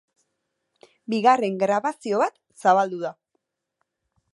Bigarren grabazio bat zabaldu da.